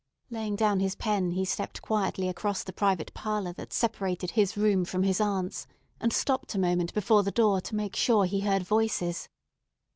Laying down his pen, he stepped quietly across the private parlor that separated his room from his aunt's, and stopped a moment before the door to make sure he heard voices.